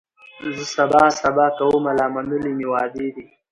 زه سبا سبا کومه لا منلي مي وعدې دي